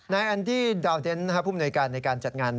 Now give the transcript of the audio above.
ในอันที่ดาวเต็นต์ผู้มนุยการในการจัดงาน